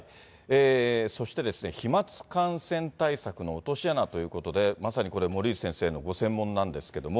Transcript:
そして、飛まつ感染対策の落とし穴ということで、まさにこれ、森内先生のご専門なんですけども。